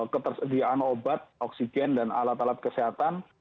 ketersediaan obat oksigen dan alat alat kesehatan